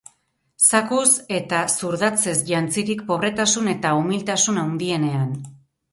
Zakuz eta zurdatzez jantzirik pobretasun eta umiltasun handienean.